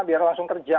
biar langsung kerja